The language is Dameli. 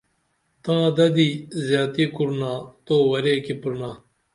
تاں ددی زیاتی کُرنا تو ورے کی پرینا